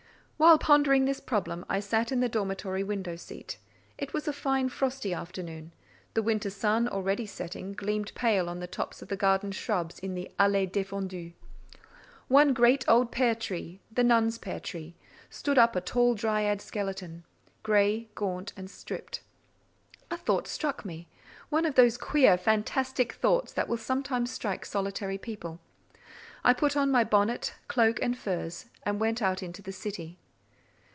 While pondering this problem, I sat in the dormitory window seat. It was a fine frosty afternoon; the winter sun, already setting, gleamed pale on the tops of the garden shrubs in the "allée défendue." One great old pear tree—the nun's pear tree—stood up a tall dryad skeleton, grey, gaunt, and stripped. A thought struck me—one of those queer fantastic thoughts that will sometimes strike solitary people. I put on my bonnet, cloak, and furs, and went out into the city.